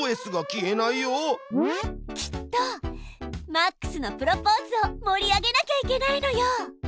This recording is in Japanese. きっとマックスのプロポーズを盛り上げなきゃいけないのよ！